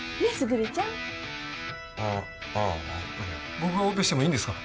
僕がオペしてもいいんですか？